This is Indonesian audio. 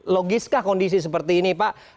logiskah kondisi seperti ini pak